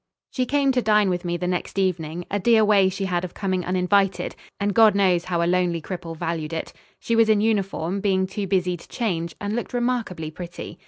She came to dine with me the next evening: a dear way she had of coming uninvited, and God knows how a lonely cripple valued it. She was in uniform, being too busy to change, and looked remarkably pretty.